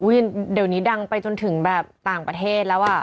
เดี๋ยวนี้ดังไปจนถึงแบบต่างประเทศแล้วอ่ะ